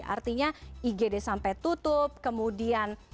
artinya igd sampai tutup kemudian